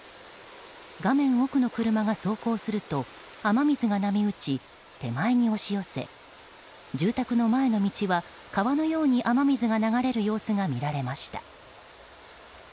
画面奥の車が走行すると雨水が波打ち手前に押し寄せ、住宅の前の道は川のように雨水が流れる様子が見られました。